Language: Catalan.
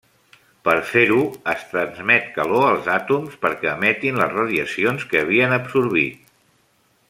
Per fer-ho, es transmet calor als àtoms perquè emetin les radiacions que havien absorbit.